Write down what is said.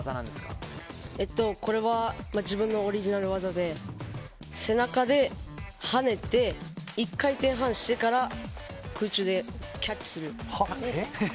これは自分のオリジナル技で背中で跳ねて１回転半してから空中でキャッチする。